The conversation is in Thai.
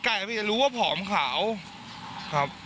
เห็นแต่มันใกล้กว่าพร้อมขาวครับ